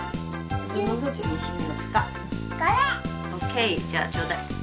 じゃあちょうだい。